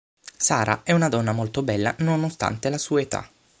Sara è una donna molto bella nonostante la sua età.